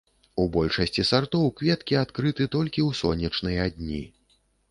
У большасці сартоў кветкі адкрыты толькі ў сонечныя дні.